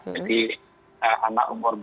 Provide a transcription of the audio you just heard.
jadi anak umur